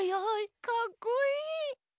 かっこいい！